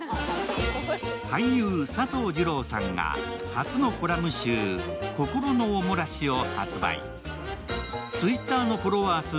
俳優・佐藤二朗さんが初のコラム集「心のおもらし」を発売。